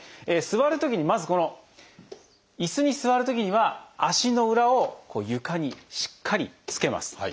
座るときにまずこのいすに座るときには足の裏を床にしっかりつけます。